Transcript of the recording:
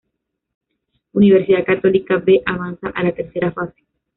Universidad Católica B avanza a la tercera fase.